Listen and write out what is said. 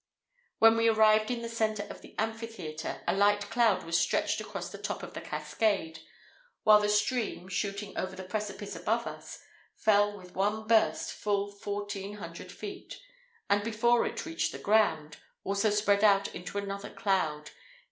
When we arrived in the centre of the amphitheatre, a light cloud was stretched across the top of the cascade, while the stream, shooting over the precipice above us, fell with one burst full fourteen hundred feet; and, before it reached the ground, also spread out into another cloud.